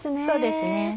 そうですね。